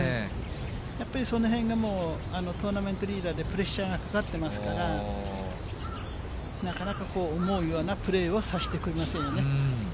やっぱりそのへんがもう、トーナメントリーダーで、プレッシャーがかかってますから、なかなかこう、思うようなプレーをさせてくれませんよね。